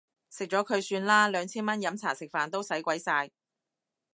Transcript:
食咗佢算啦，兩千蚊飲茶食飯都使鬼晒